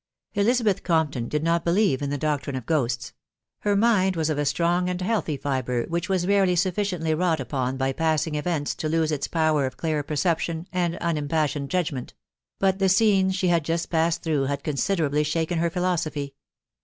Elizabeth Compton did not believe in the doctrine of ghosts ; her mind was of a strong and healthy fibre, which was rarely sufficiently wrought upon by passing events to lose its power of clear perception and unimpassioned judgment; but the scene she had just passed through had considerably shaken her philosophy.